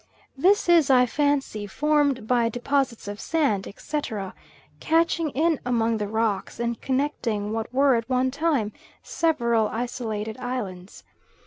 This is, I fancy, formed by deposits of sand, etc., catching in among the rocks, and connecting what were at one time several isolated islands.